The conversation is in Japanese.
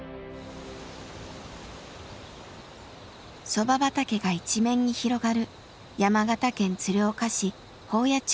そば畑が一面に広がる山形県鶴岡市宝谷地区。